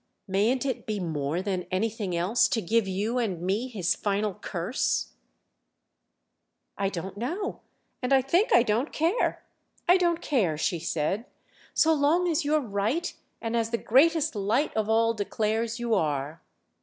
"Mayn't it be more than anything else to give you and me his final curse?" "I don't know—and I think I don't care. I don't care," she said, "so long as you're right and as the greatest light of all declares you are."